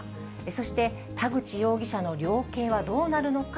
そして田口容疑者の量刑はどうなるのか。